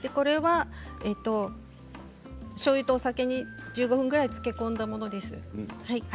しょうゆとお酒に１５分ぐらい漬け込んだものです。